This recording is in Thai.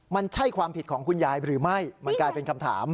มันใช่ความผิดของคุณยายหรือไม่มันกลายเป็นคำถาม